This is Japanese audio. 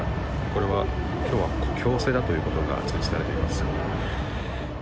これは今日は強制だということが通知されています。